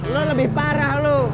lu lebih parah lu